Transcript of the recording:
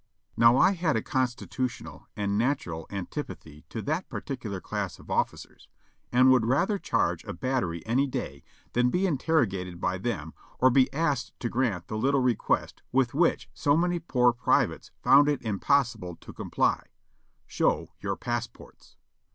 Now I had a constitutional and natural antipathy to that par ticular class of officers, and would rather charge a battery any day than be interrogated by them or be asked to grant the little re quest with which so many poor privates found it impossible to comply — "Show your passports."